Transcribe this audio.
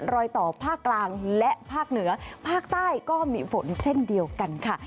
รอยต่อภาคกลางและภาคเหนือภาคใต้ก็มีฝนเช่นเดียวกันค่ะ